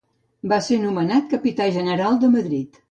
Va ser nomenat capità general de Madrid.